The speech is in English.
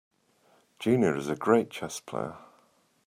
Gina is a great chess player.